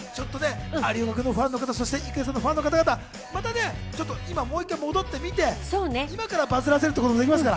有岡君のファンの方、郁恵さんファンの方、もう一回戻ってみて、今からバズらせるってことはできますから。